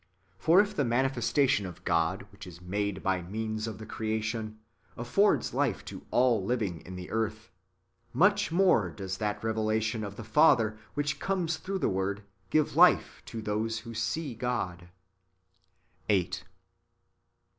For if the manifestation of God which is made by means of the creation, affords life to all living in the earth, much more does that revelation of the Father which comes through the Word, give life to those who see God. vN^ 8.